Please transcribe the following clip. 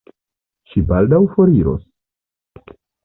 Ŝi baldaŭ foriros.